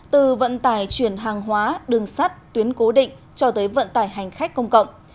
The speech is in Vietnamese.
từ vận tải chuyển hàng hóa đường sắt tuyến cố định cho tới vận tải hành khách công cộng